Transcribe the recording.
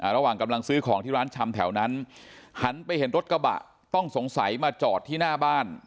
ระหว่างกำลังซื้อของที่ร้านชำแถวนั้นหันไปเห็นรถกระบะต้องสงสัยมาจอดที่หน้าบ้าน